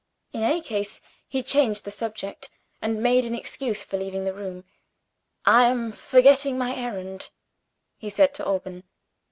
In any case, he changed the subject, and made an excuse for leaving the room. "I am forgetting my errand," he said to Alban.